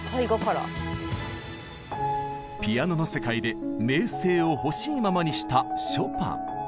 ピアノの世界で名声をほしいままにしたショパン。